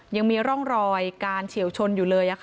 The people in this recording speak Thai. ยังมีร่องรอยการเฉียวชนอยู่เลย